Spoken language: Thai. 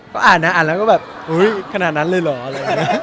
ก็อ่านแล้วแบบโอ๊ยขนาดนั้นเลยหรอ